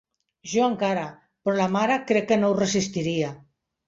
Jo encara, però la mare crec que no ho resistiria.